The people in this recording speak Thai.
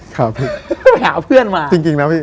ไปหาเพื่อนมาจริงนะพี่